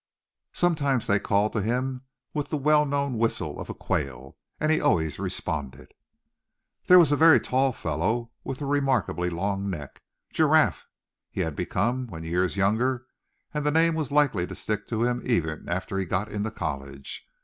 Sometimes they called to him with the well known whistle of a quail; and he always responded. There was a very tall fellow, with a remarkably long neck. "Giraffe" he had become when years younger, and the name was likely to stick to him even after he got into college.